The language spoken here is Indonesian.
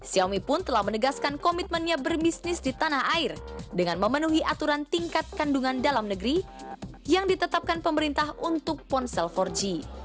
xiaomi pun telah menegaskan komitmennya berbisnis di tanah air dengan memenuhi aturan tingkat kandungan dalam negeri yang ditetapkan pemerintah untuk ponsel empat g